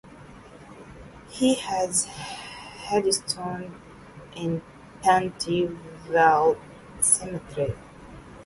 He has a headstone in Putney Vale Cemetery.